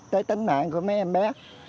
tới tính mạng của mấy em bé